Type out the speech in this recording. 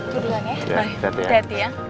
duluannya ya baik hati hati ya